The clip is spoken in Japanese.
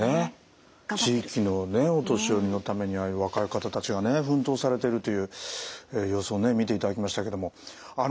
地域のお年寄りのためにああいう若い方たちがね奮闘されてるという様子をね見ていただきましたけども。